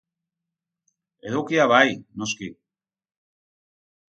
Edukia bai, noski.